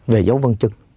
về giấu vân chân